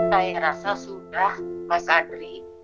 saya rasa sudah mas adri